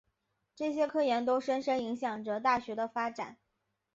这些科研都深深影响着大学的发展。